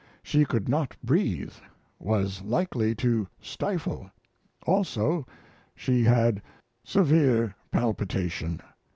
She could not breathe was likely to stifle. Also she had severe palpitation.